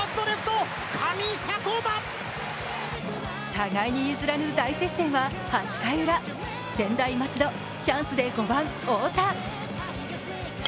互いに譲らぬ大接戦は８回ウラ、専大松戸、チャンスで５番・太田。